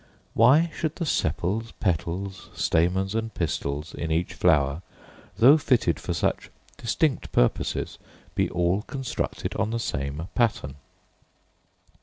Why should the sepals, petals, stamens, and pistils, in each flower, though fitted for such distinct purposes, be all constructed on the same pattern?